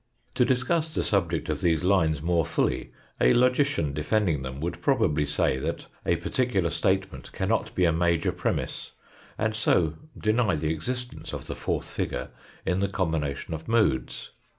To discuss the subject of these lines more fully a logician defending them would probably say that a particular statement cannot be a major premiss; and so deny the existence of the fourth figure in the combination of moods.